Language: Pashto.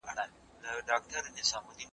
چپنه پاکه کړه.